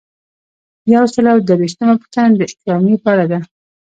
یو سل او درویشتمه پوښتنه د اکرامیې په اړه ده.